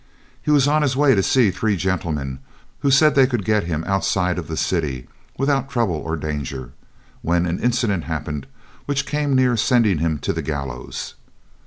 He was on his way to see three gentlemen who said they could get him outside of the city without trouble or danger, when an incident happened which came near sending him to the gallows.